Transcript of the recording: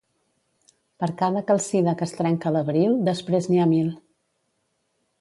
Per cada calcida que es trenca a l'abril, després n'hi ha mil.